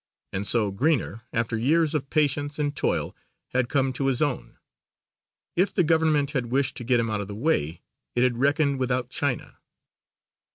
And so Greener after years of patience and toil had come to his own. If the government had wished to get him out of the way, it had reckoned without China.